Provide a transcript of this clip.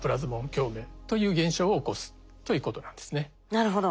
なるほど。